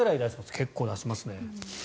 結構出しますね。